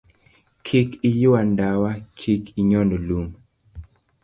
Kik Iyua Ndawa, Kik Inyon Lum